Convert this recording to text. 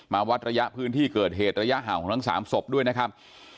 วัดระยะพื้นที่เกิดเหตุระยะห่างของทั้ง๓ศพด้วยนะครับ